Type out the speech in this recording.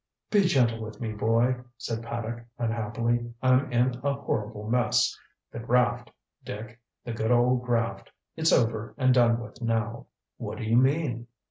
"Be gentle with me, boy," said Paddock unhappily. "I'm in a horrible mess. The graft, Dick the good old graft. It's over and done with now." "What do you mean?"